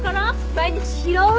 毎日拾う！